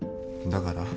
だから？